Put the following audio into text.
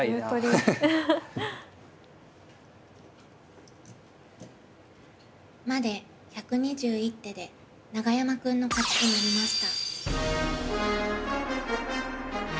辛いな。まで１２１手で永山くんの勝ちとなりました。